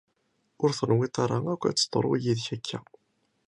Ur tenwiḍ ara akk ad teḍru yid-k akka.